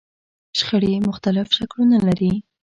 شخړې مختلف شکلونه لري.